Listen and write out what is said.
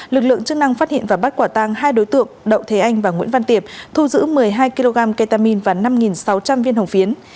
lực lượng chức năng phát hiện và bắt quả tang hai đối tượng đậu thế anh và nguyễn văn tiệp thu giữ một mươi hai kg ketamine và năm sáu trăm linh viên hồng phiến